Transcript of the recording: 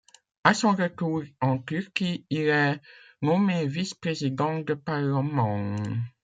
À son retour en Turquie, il est nommé vice-président du parlement.